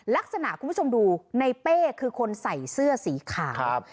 ลักษณะคุณผู้ชมดูในเป้คือคนใส่เสื้อสีขาวครับ